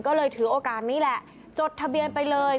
ก็เลยถือโอกาสนี้แหละจดทะเบียนไปเลย